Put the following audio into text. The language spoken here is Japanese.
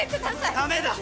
・ダメだ！